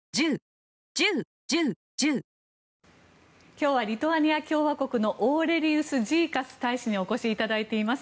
今日はリトアニア共和国のオーレリウス・ジーカス大使にお越しいただいています。